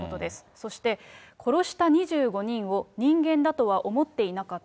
そして殺した２５人を人間だとは思っていなかった。